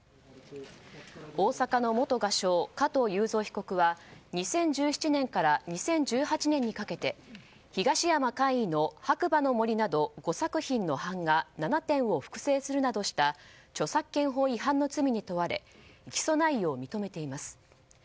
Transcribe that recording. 大阪の元画商、加藤雄三被告は２０１７年から２０１８年にかけて東山魁夷の「白馬の森」など５作品の版画７点を複製するなどした著作権法違反の罪に問われ起訴内容を認めています。